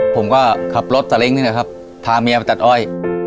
ผมก็ขับรถสาเล้งนี่แหละครับพาเมียไปตัดอ้อย